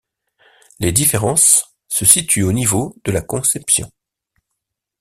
Les différences se situent au niveau de la conception.